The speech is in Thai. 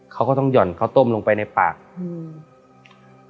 เขาก็ต้องห่อนข้าวต้มลงไปในปากอืม